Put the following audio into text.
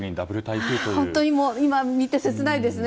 本当に今もう見て切ないですね。